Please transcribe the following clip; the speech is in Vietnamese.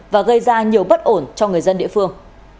và gây ra nhiều bất ổn cho người dân địa phương